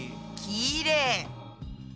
きれい！